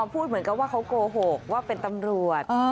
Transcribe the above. พูดเหมือนกับว่าเขาโกหกว่าเป็นตำรวจ